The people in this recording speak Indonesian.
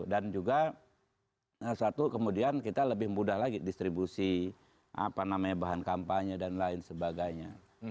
dan juga satu kemudian kita lebih mudah lagi distribusi apa namanya bahan kampanye dan lain sebagainya